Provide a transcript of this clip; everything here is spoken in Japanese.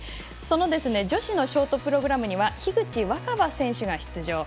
その女子のショートプログラムには樋口新葉選手が出場。